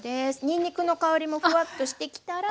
にんにくの香りもふわっとしてきたら。